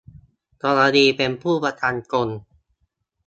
กรณีเป็นผู้ประกันตน